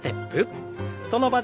その場で。